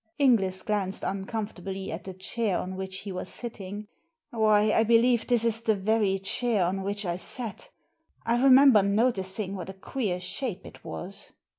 Inglis glanced uncomfortably at the chair on which he was sitting. "Why, I believe this is the very chair on which I sat! I remember noticing what a queer shape it was."